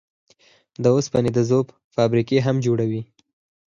د اوسپنې د ذوب فابريکې هم جوړوي.